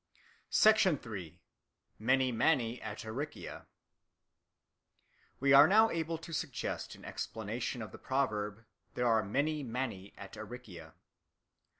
Many Manii at Aricia WE are now able to suggest an explanation of the proverb "There are many Manii at Aricia."